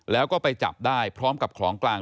แล้วก็ไปจับได้พร้อมกับของกลาง